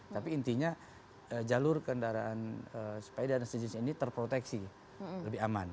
tapi intinya jalur kendaraan sepeda dan sejenis ini terproteksi lebih aman